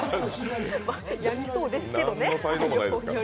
やみそうですけどね。